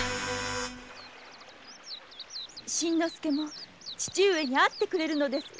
新之助も父上に会ってくれるのですか？